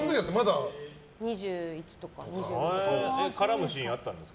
２１とか２２です。